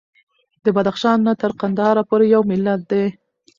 د بدخشان نه تر قندهار پورې یو ملت دی.